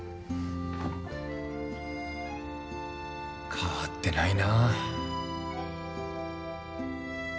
変わってないな。